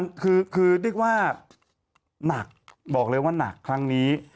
นี่คือสิกว่าหนักบอกเลยว่านักครั้งนี้